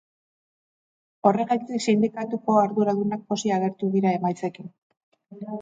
Horregatik, sindikatuko arduradunak pozik agertu dira emaitzekin.